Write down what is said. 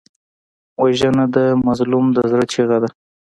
وژنه د مظلوم د زړه چیغه ده